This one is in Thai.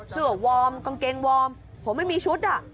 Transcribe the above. วอร์มกางเกงวอร์มผมไม่มีชุดอ่ะ